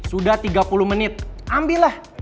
sudah tiga puluh menit ambillah